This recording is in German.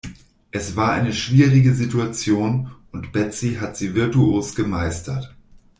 Es war eine schwierige Situation und Betsy hat sie virtuos gemeistert.